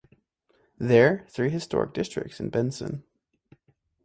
There three historic districts in Benson.